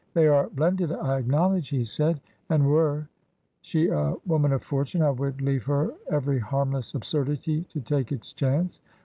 'They are blended, I acknowledge,' he said, ' and were ... she a woman of fortune, I would leave her every harmless absurdity to take its chance.